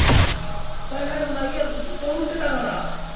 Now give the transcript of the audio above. わいあれうなぎやとずっと思ってたがな。